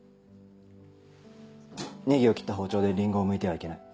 ネギを切った包丁でリンゴをむいてはいけない。